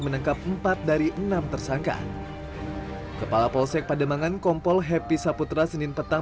menangkap empat dari enam tersangka kepala polsek pademangan kompol happy saputra senin petang